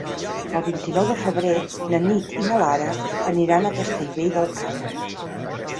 El vint-i-nou de febrer na Nit i na Lara aniran a Castellvell del Camp.